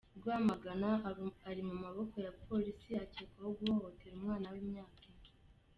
Rwamagana Ari mu maboko ya Polisi akekwaho guhohotera umwana w’imyaka ine